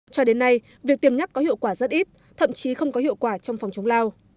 cho đến nay việc tiêm nhắc có hiệu quả rất ít thậm chí không có hiệu quả trong phòng chống lao